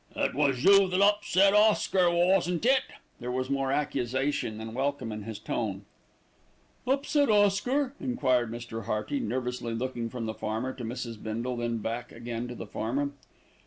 "It was you that upset Oscar, wasn't it?" There was more accusation than welcome in his tone. "Upset Oscar?" enquired Mr. Hearty, nervously looking from the farmer to Mrs. Bindle, then back again to the farmer.